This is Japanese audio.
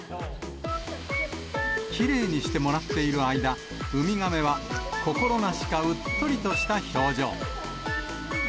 きれいにしてもらっている間、ウミガメはこころなしかうっとりとした表情。